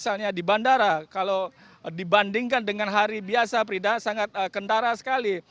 tidak hanya di bandara kalau dibandingkan dengan hari biasa prida sangat kendaraan sekali